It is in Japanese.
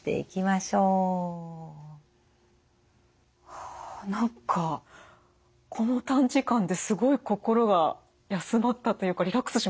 はあ何かこの短時間ですごい心が休まったというかリラックスしましたよね。